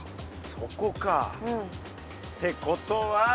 そこか。ってことは。